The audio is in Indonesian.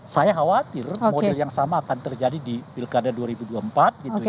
saya khawatir model yang sama akan terjadi di pilkada dua ribu dua puluh empat gitu ya